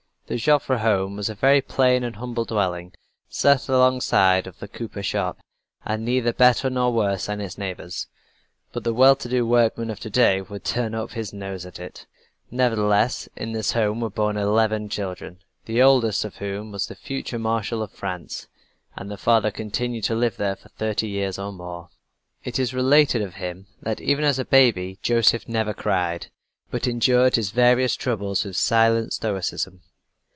The Joffre home was a very plain and humble dwelling set alongside of the cooper shop, and neither better nor worse than its neighbors but the well to do workman of today would turn up his nose at it. Nevertheless in this home were born eleven children, the oldest of whom was the future Marshal of France. And the father continued to live there for thirty years or more. It is related of him that even as a baby Joseph never cried, but endured his various troubles with silent stoicism.